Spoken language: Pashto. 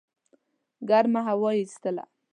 ګرمه هوا یې ایستله.